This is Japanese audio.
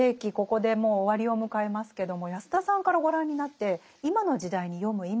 ここでもう終わりを迎えますけども安田さんからご覧になって今の時代に読む意味というのはどうお考えですか？